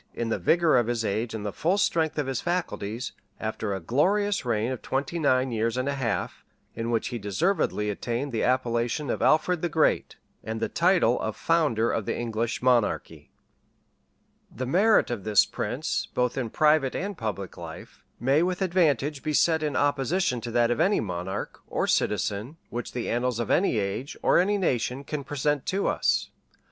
} in the vigor of his age and the full strength of his faculties, after a glorious reign of twenty nine years and a half,[] in which he deservedly attained the appellation of Alfred the Great, and the title of founder of the English monarchy. [* Flor. Wigorn. p. 598.] [ Asser. p. 21. Chron. Sax. p. 95.] The merit of this prince, both in private and public life, may with advantage be set in opposition to that of any monarch, or citizen, which the annals of any age, or any nation, can present to us.